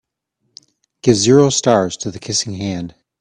Give zero stars to The Kissing Hand